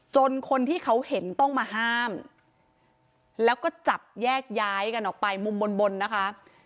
คนที่เขาเห็นต้องมาห้ามแล้วก็จับแยกย้ายกันออกไปมุมบนนะคะ